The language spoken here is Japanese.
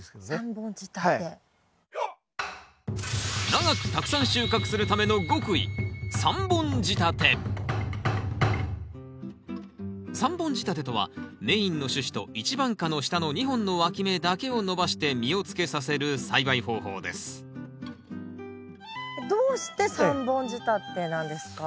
長くたくさん収穫するための極意３本仕立てとはメインの主枝と一番花の下の２本のわき芽だけを伸ばして実をつけさせる栽培方法ですどうして３本仕立てなんですか？